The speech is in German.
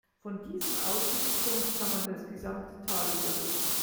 Von diesem Aussichtspunkt kann man das gesamte Tal überblicken.